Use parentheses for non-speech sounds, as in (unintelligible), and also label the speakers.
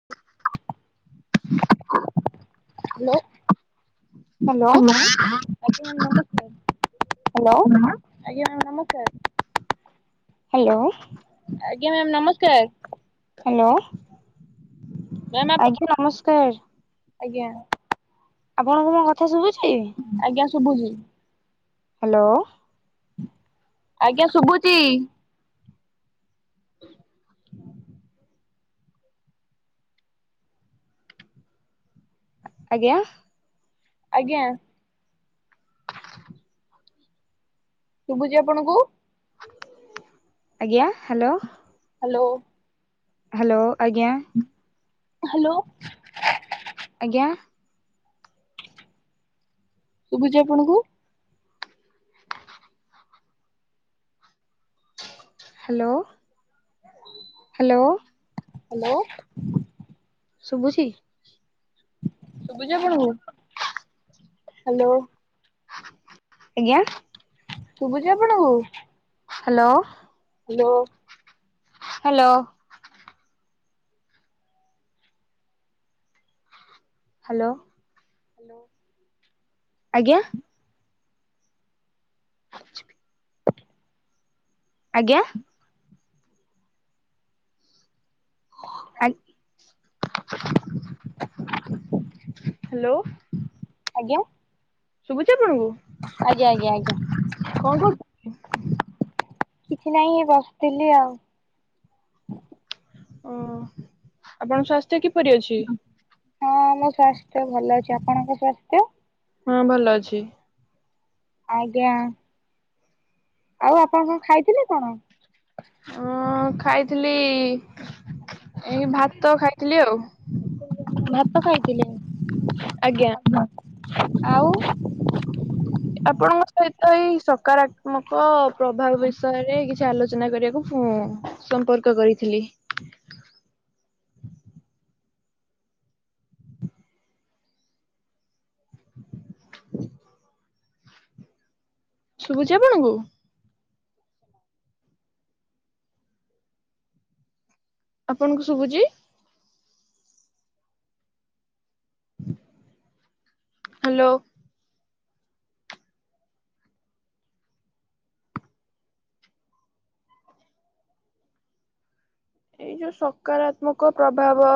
Speaker 1: Hello. (unintelligible)
Speaker 2: Hello
Speaker 1: ଆଜ୍ଞା ma'am
Speaker 2: hello
Speaker 1: ନମସ୍କାର।
Speaker 2: Hello.
Speaker 1: ଆଜ୍ଞା ମ୍ୟାମ୍ ନମସ୍କାର।
Speaker 2: ହ୍ୟାଲୋ
Speaker 1: ମ୍ୟାମ୍ ଆପ
Speaker 2: ଆଜ୍ଞା ନମସ୍କାର।
Speaker 1: ଆଜ୍ଞା।
Speaker 2: ଆପଣଙ୍କୁ ମୋ କଥା ଶୁଭୁଛି?
Speaker 1: ଆଜ୍ଞା ଶୁଭୁଛି।
Speaker 2: ହାଲୋ।
Speaker 1: ଆଜ୍ଞା ଶୁଭୁଛି।
Speaker 2: ଆଜ୍ଞା।
Speaker 1: ଆଜ୍ଞା। ଶୁଭୁଛି ଆପଣଙ୍କୁ?
Speaker 2: ଆଜ୍ଞା ହ୍ୟାଲୋ।
Speaker 1: ହ୍ୟାଲୋ।
Speaker 2: ହ୍ୟାଲୋ ଆଜ୍ଞା
Speaker 1: ହ୍ୟାଲୋ
Speaker 2: ଆଜ୍ଞା।
Speaker 1: ଶୁଭୁଛି ଆପଣଙ୍କୁ?
Speaker 2: ହାଲୋ ହାଲୋ ହାଲୋ
Speaker 1: ହ୍ୟାଲୋ
Speaker 2: ଶୁଭୁଛି?
Speaker 1: ଶୁଭୁଛି ଆପଣଙ୍କୁ? ହ୍ୟାଲୋ।
Speaker 2: ଆଜ୍ଞା।
Speaker 1: ଶୁଭୁଛି ଆପଣଙ୍କୁ?
Speaker 2: Hello
Speaker 1: hello
Speaker 2: hello hello
Speaker 1: hello
Speaker 2: ଆଜ୍ଞା (unintelligible) ଆଜ୍ଞା
Speaker 1: (inaudible)
Speaker 2: ଆ ହ୍ୟାଲୋ
Speaker 1: ଆଜ୍ଞା
Speaker 2: ଶୁଭୁଛି ଆପଣଙ୍କୁ?
Speaker 1: ଆଜ୍ଞା ଆଜ୍ଞା
Speaker 2: କଣ
Speaker 1: ଆଜ୍ଞା
Speaker 2: କରୁ
Speaker 1: କିଛି ନାହିଁ ବସିଥିଲି ଆଉ।
Speaker 2: ହୁଁ, ଆପଣଙ୍କ ସ୍ୱାସ୍ଥ୍ୟ କିପରି ଅଛି?
Speaker 1: ହଁ ଆମ ସ୍ୱାସ୍ଥ୍ୟ ଭଲ ଅଛି, ଆପଣଙ୍କ ସ୍ବାସ୍ଥ୍ୟ?
Speaker 2: ହଁ ଭଲ ଅଛି।
Speaker 1: ଆଜ୍ଞା ଆଉ ଆପଣ କଣ ଖାଇଥିଲେ କଣ?
Speaker 2: ହଁ ଖାଇଥିଲି ଏ ଭାତ ଖାଇଥିଲି ଆଉ।
Speaker 1: ଭାତ ଖାଇଥିଲେ?
Speaker 2: ଆଜ୍ଞା
Speaker 1: ଆଉ
Speaker 2: ଆପଣଙ୍କ ସହିତ ଏଇ ସକାରାତ୍ମକ ପ୍ରଭାବ ବିଷୟରେ କି ସେ ଆଲୋଚନା କରିବାକୁ, ସମ୍ପର୍କ କରିଥିଲି। (unintelligible) ଶୁଭୁଛି ଆପଣଙ୍କୁ? ଆପଣଙ୍କୁ ଶୁଭୁଛି? ହାଲୋ। ଏଇ ଯୋଉ ସକାରାତ୍ମକ ପ୍ରଭାବ